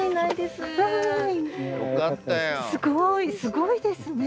すごいすごいですね。